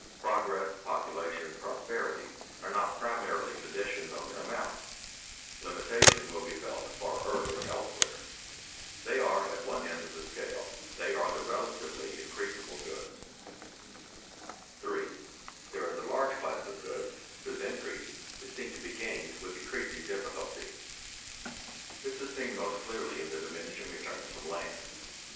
Progress, population, prosperity, are not primarily conditioned on their amount; limitation will be felt far earlier elsewhere. They are at one end of the scale; they are the relatively increasable goods. [Sidenote: The products of land are increased at a given time and place at increasing cost] 3. There is a large class of goods whose increase is seen to be gained with increasing difficulty. This is seen most clearly in the diminishing returns from land.